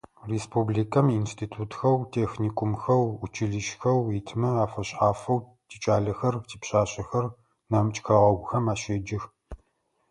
Республикэм институтхэу, техникумхэу, училищхэу итмэ афэшъхьафэу тикӏалэхэр, типшъашъэхэр нэмыкӏ хэгъэгухэм ащеджэх.